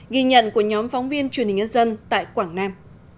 ghi nhận của nhóm phóng viên truyền hình nhân dân tại quảng nam